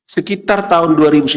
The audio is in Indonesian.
sekitar tahun dua ribu sembilan belas